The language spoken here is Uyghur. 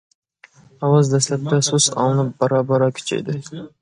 ئاۋاز دەسلەپتە سۇس ئاڭلىنىپ بارا-بارا كۈچەيدى.